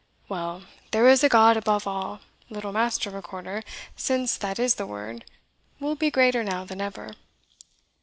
Well, there is a God above all little Master Recorder, since that is the word, will be greater now than ever."